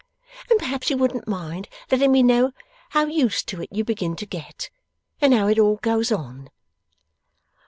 And perhaps you wouldn't mind letting me know how used to it you begin to get, and how it all goes on?